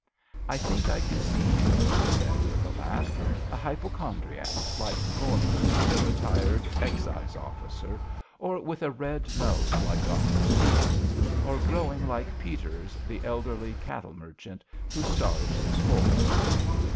I think I can see you," she said, with a laugh, "a hypochondriac, like Gorman, the retired excise officer, or with a red nose like Dr. Stephens, or growing like Peters, the elderly cattle mer chant, who starves his horse."